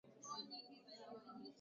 Napenda amani